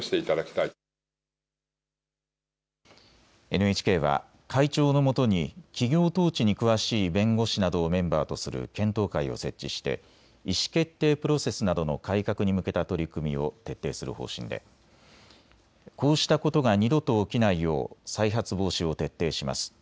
ＮＨＫは会長のもとに企業統治に詳しい弁護士などをメンバーとする検討会を設置して意思決定プロセスなどの改革に向けた取り組みを徹底する方針でこうしたことが二度と起きないよう再発防止を徹底します。